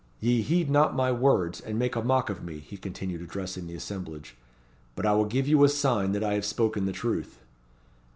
Ye heed not my words, and make a mock of me," he continued, addressing the assemblage: "but I will give you a sign that I have spoken the truth."